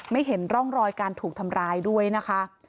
เห็นร่องรอยการถูกทำร้ายด้วยนะคะ